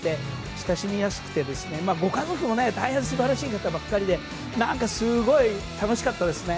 親しみやすくて、ご家族も大変すばらしい方ばかりで何かすごい楽しかったですね